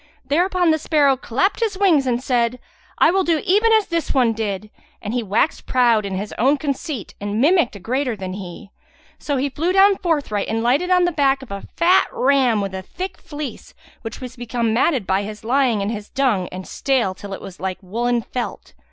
Thereupon the sparrow clapped his wings and said, "I will do even as this one did;" and he waxed proud in his own conceit and mimicked a greater than he. So he flew down forthright and lighted on the back of a fat ram with a thick fleece that was become matted by his lying in his dung and stale till it was like woollen felt.